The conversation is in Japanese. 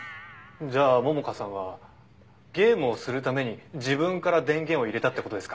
じゃあ桃香さんはゲームをするために自分から電源を入れたって事ですか？